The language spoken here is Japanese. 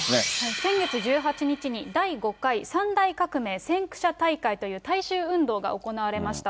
先月１８日に、第５回三大革命先駆者大会という大衆運動が行われました。